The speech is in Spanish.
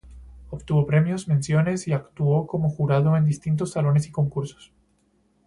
Obtuvo Premios, Menciones y actuó como jurado en distintos salones y concursos.